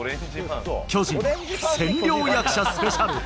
巨人、千両役者スペシャル。